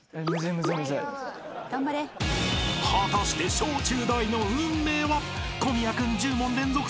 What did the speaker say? ［果たして小中大の運命は？］